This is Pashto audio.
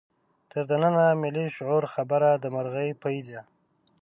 تر ننه د ملي شعور خبره د مرغۍ پۍ ده.